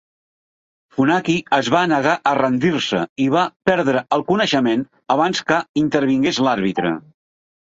Funaki es va negar a rendir-se i va perdre el coneixement abans que intervingués l'àrbitre.